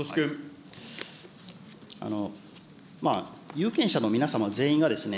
まあ、有権者の皆様全員がですね、